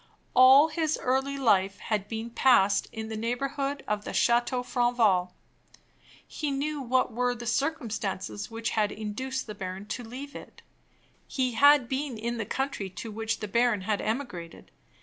All his early life had been passed in the neighborhood of the Chateau Franval. He knew what were the circumstances which had induced the baron to leave it. He had been in the country to which the baron had emigrated.